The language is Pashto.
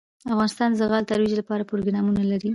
افغانستان د زغال د ترویج لپاره پروګرامونه لري.